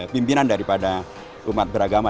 pimpinan daripada umat beragama